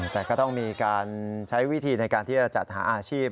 แต่ก็ต้องมีการใช้วิธีในการที่จะจัดหาอาชีพ